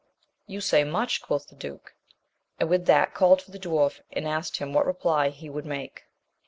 You say much ! quoth the duke, and with that called for the dwarf, and asked him what reply he would make.